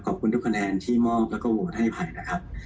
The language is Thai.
ขอบคุณทุกคะแนนที่มอบแล้วก็โหวตให้นะครับ